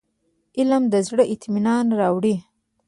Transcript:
علم د زړه اطمينان راوړي.